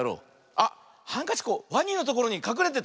あっハンカチワニのところにかくれてた。